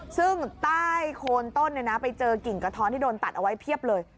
ซึ่งใต้โคนต้นไปเจอกิ่งกระท้อนที่โดนตัดเอาไว้เพียบเลย